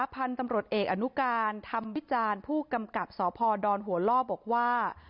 พันธุ์ตำรวจเอกอนุการธรรมวิจารณ์ผู้กำกับสพดหัวล่อบอกว่า